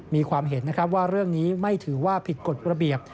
มีความเห็นนะครับว่าเรื่องนี้ไม่ถือว่าผิดกฎระเบียบ